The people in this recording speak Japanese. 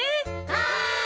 はい。